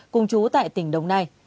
cùng chú tại tỉnh đồng nai